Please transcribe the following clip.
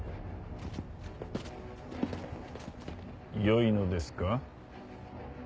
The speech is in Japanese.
よいのですか？